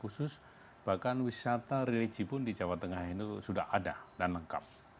khusus bahkan wisata religi pun di jawa tengah ini sudah ada dan lengkap